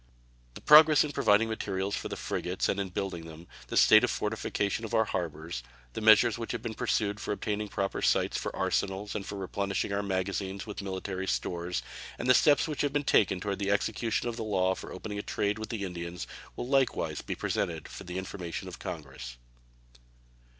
The progress in providing materials for the frigates and in building them, the state of the fortifications of our harbors, the measures which have been pursued for obtaining proper sites for arsenals and for replenishing our magazines with military stores, and the steps which have been taken toward the execution of the law for opening a trade with the Indians will likewise be presented for the information of Congress.